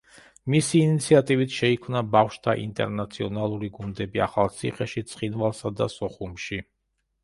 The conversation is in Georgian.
მისი ინიციატივით შეიქმნა ბავშვთა ინტერნაციონალური გუნდები ახალციხეში, ცხინვალსა და სოხუმში.